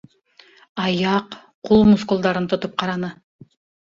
Аяҡ. ҡул мускулдарын тотоп ҡараны.